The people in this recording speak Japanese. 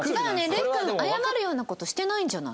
瑠姫君謝るような事してないんじゃない？